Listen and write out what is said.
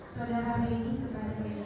saudara remy kepada